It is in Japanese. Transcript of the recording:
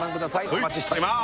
お待ちしております